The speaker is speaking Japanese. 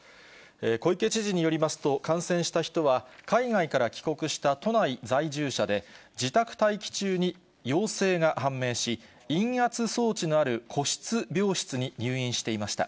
小池知事によりますと、感染した人は、海外から帰国した都内在住者で、自宅待機中に陽性が判明し、陰圧装置のある個室病室に入院していました。